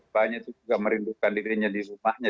banyak juga merindukan dirinya di rumahnya